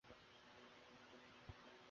কিন্তু আমি তোমাকে আসন্ন মৃত্যু হইতে বাঁচাইতেছি।